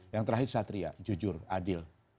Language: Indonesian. yang terakhir satria jujur adil